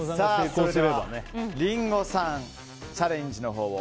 リンゴさん、チャレンジのほうを。